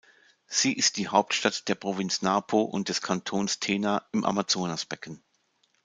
Sie ist die Hauptstadt der Provinz Napo und des Kantons Tena im Amazonasbecken.